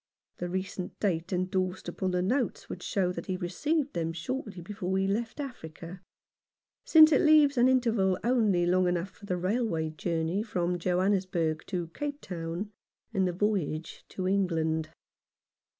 The recent date endorsed upon the notes would show that he received them shortly before he left Africa, since it leaves an interval only long enough for the railway journey from Johannesburg to Cape Town, and the voyage to England.